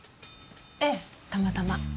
ええたまたま。